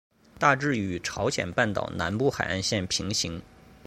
大致与朝鲜半岛南部海岸线平行。